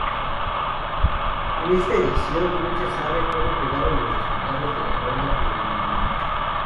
En esta edición no se sabe como quedaron los resultados de la ronda preliminar.